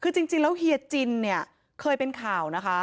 คือจริงแล้วเฮียจินเนี่ยเคยเป็นข่าวนะคะ